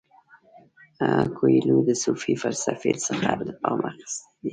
کویلیو د صوفي فلسفې څخه الهام اخیستی دی.